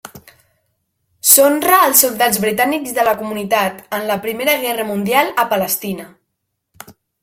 S'honra als soldats britànics de la Comunitat en la Primera Guerra Mundial a Palestina.